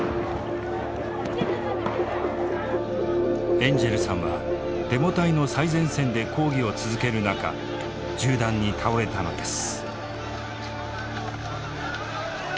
エンジェルさんはデモ隊の最前線で抗議を続ける中銃弾に倒れたのです。